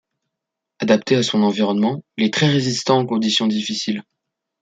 Adapté à son environnement, il est très résistant aux conditions difficiles.